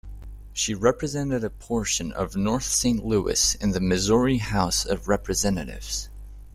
She represented a portion of North Saint Louis in the Missouri House of Representatives.